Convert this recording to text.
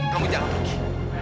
kamu jangan pergi